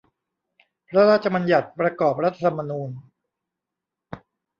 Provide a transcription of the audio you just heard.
พระราชบัญญัติประกอบรัฐธรรมนูญ